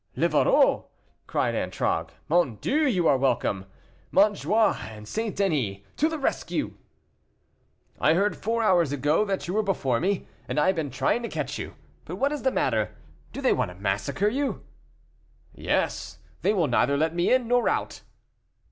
"Livarot!" cried Antragues. "Mon Dieu, you are welcome; Montjoie and St. Denis, to the rescue!" "I heard four hours ago that you were before me, and I have been trying to catch you. But what is the matter; do they want to massacre you?" "Yes, they will neither let me in nor out."